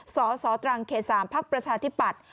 สศตรังเค๓ภประชาธิปัตย์